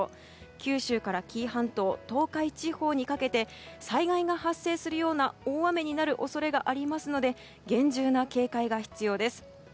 九州から紀伊半島東海地方にかけて災害が発生するような大雨になる恐れがありますので厳重な警戒が必要です。